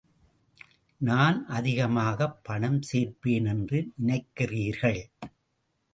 நான் அதிகமாகப் பணம் சேர்ப்பேன் என்று நினைக்கிறீர்கள்.